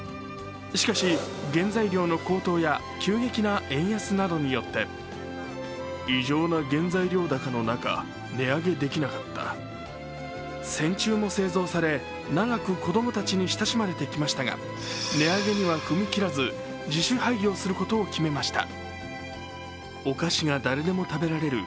しかし原材料の高騰や急激な円安などによって戦中も製造され、長く子供たちにも親しまれてきましたが値上げには踏み切らず自主廃業することを決めました。